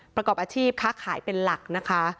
ประกอบอาชีพค้าขายเป็นหลักนะคะ